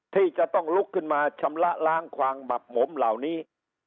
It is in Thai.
ที่จะต้องลุกขึ้นมาชำระล้างความหมักหมมเหล่านี้